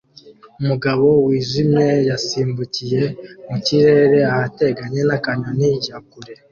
Umugabo wijimye yasimbukiye mu kirere ahateganye na kanyoni ya kure